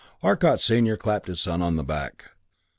Arcot Senior clapped his son on the back.